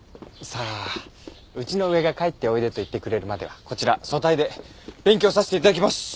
さあうちの上が帰っておいでと言ってくれるまではこちら組対で勉強させて頂きます！